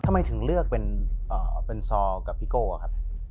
ทำไมถึงเลือกเป็นซอลกับพี่โก้ครับ